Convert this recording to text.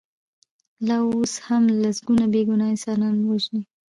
لا اوس هم لسګونه بې ګناه انسانان وژني.